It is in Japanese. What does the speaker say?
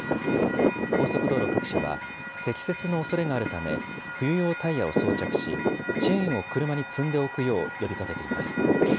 高速道路各社は、積雪のおそれがあるため、冬用タイヤを装着し、チェーンを車に積んでおくよう呼びかけています。